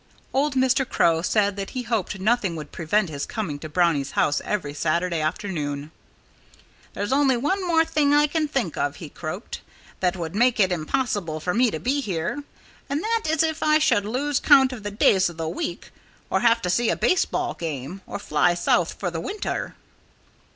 Old Mr. Crow said that he hoped nothing would prevent his coming to Brownie's house every Saturday afternoon. "There's only one more thing I can think of," he croaked, "that would make it impossible for me to be here. And that is if I should lose count of the days of the week or have to see a baseball game or fly south for the winter."